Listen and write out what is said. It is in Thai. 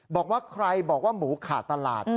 บอกว่าใครบอกว่าหมูขาดตลาด